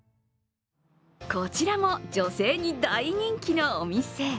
こちらも女性に大人気のお店。